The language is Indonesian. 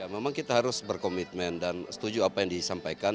memang kita harus berkomitmen dan setuju apa yang disampaikan